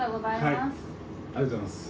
ありがとうございます。